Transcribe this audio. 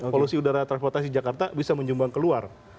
polusi udara transportasi jakarta bisa menyumbang keluar